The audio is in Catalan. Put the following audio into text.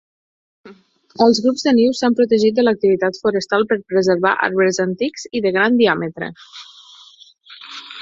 Els grups de nius s'han protegit de l'activitat forestal per preservar arbres antics i de gran diàmetre.